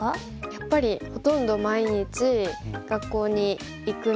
やっぱりほとんど毎日学校に行くので。